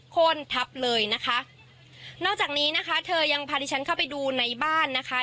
โค้นทับเลยนะคะนอกจากนี้นะคะเธอยังพาดิฉันเข้าไปดูในบ้านนะคะ